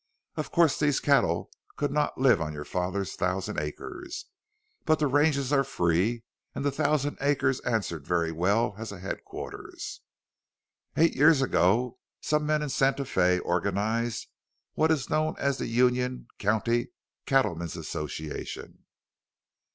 Of course, these cattle could not live on your father's thousand acres, but the ranges are free and the thousand acres answered very well as a headquarters. "Eight years ago some men in Santa Fe organized what is known as the Union County Cattlemen's Association.